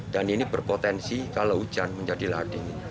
ini berpotensi kalau hujan menjadi lading